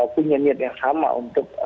punya niat yang sama untuk